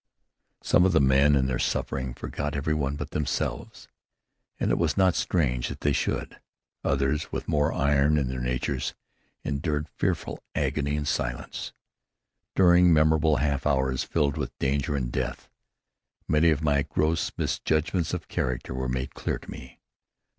Some of the men, in their suffering, forgot every one but themselves, and it was not strange that they should. Others, with more iron in their natures, endured fearful agony in silence. During memorable half hours, filled with danger and death, many of my gross misjudgments of character were made clear to me.